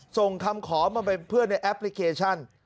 ส่งคำขอมาเป็นเพื่อนในแอปพลิเคชัน